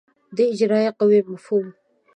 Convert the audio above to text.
د اجرایه قوې مفهوم